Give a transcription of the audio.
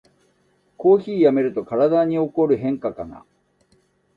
コーヒーをやめると体に起こる変化かな